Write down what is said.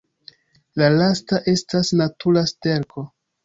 La lasta estas natura sterko.